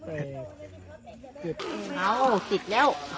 อ้าวติดแล้ว